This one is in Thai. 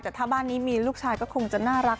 แต่ถ้าบ้านนี้มีลูกชายก็คงจะน่ารัก